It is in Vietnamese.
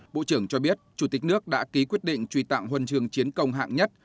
bộ trưởng cho biết chủ tịch nước đã ký quyết định truy tặng huân trường chiến công hạng nhất